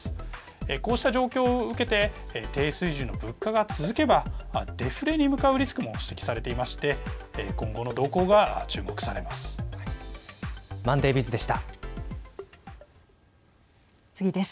こうした状況を受けて低水準の物価が続けばデフレに向かうリスクも指摘されていまして今後の動向が注目されます。